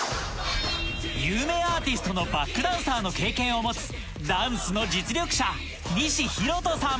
有名アーティストのバックダンサーの経験を持つダンスの実力者